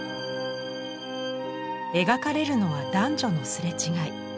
描かれるのは男女の擦れ違い。